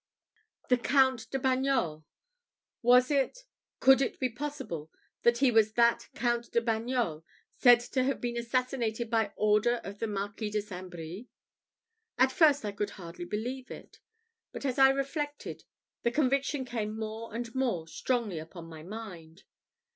The Count de Bagnols! Was it could it be possible that he was that Count de Bagnols, said to have been assassinated by order of the Marquis de St. Brie? At first I could hardly believe it; but as I reflected, the conviction came more and more strongly upon my mind.